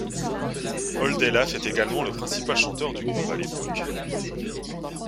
Oldelaf est également le principal chanteur du groupe à l'époque.